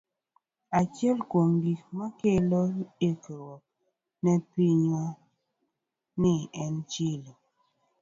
Achiel kuom gik makelo hinyruok ne pinywa ni en chilo.